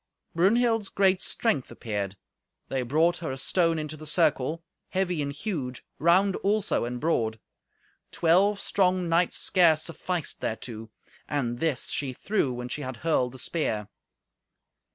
Brunhild's great strength appeared. They brought her a stone into the circle, heavy and huge, round also, and broad. Twelve strong knights scarce sufficed thereto. And this she threw when she had hurled the spear.